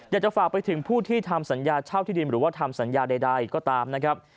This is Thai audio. อยากจะฝากไปถึงผู้ที่ทำสัญญาเช่าที่ดินหรือว่าทำสัญญาใดก็ตามนะครับ